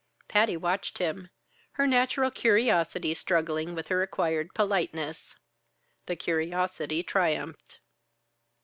Patty watched him, her natural curiosity struggling with her acquired politeness. The curiosity triumphed.